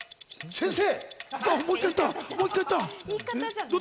先生！